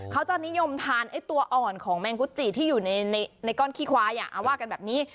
เขาจะนิยมทานไอ้ตัวอ่อนของแมงกุจิที่อยู่ในก้อนขี้ควายเอาว่ากันแบบนี้